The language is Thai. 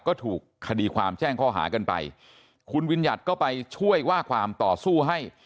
ก็ถูกคดีความแจ้งข้อหากันไปคุณวิญญัติก็ไปช่วยว่าความต่อสู้ให้